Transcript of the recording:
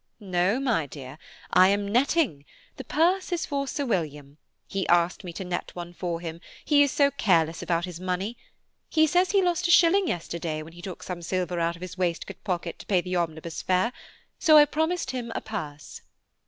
"No, my dear, I am netting, the purse is for Sir William; he asked me to net one for him, he is so careless about his money. He says he lost a shilling yesterday when he took some silver out of his waistcoat pocket to pay the omnibus fare, so I promised him a purse."